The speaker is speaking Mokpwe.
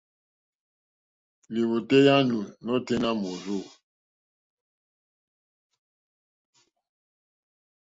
Lìwòtéyá nù nôténá mòrzô.